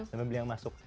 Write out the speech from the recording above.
dan membeli yang masuk